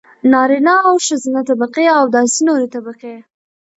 نارينه او ښځينه طبقې او داسې نورې طبقې.